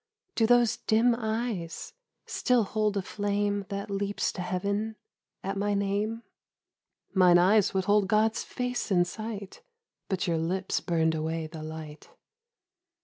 ' Do those dim eyes still hold a flame That leaps to heaven at my name ?'' Mine eyes would hold God's face in sight : But your lips burned away the light.'